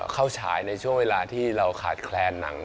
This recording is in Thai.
ฉายในช่วงเวลาที่เราขาดแคลนหนัง